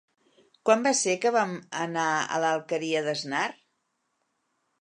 Quan va ser que vam anar a l'Alqueria d'Asnar?